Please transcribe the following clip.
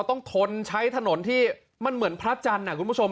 ต้องทนใช้ถนนที่มันเหมือนพระจันทร์คุณผู้ชม